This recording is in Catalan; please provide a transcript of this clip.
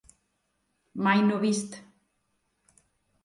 Mai no vist.